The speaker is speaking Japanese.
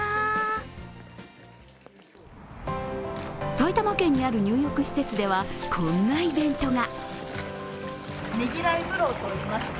埼玉県にある入浴施設ではこんなイベントが。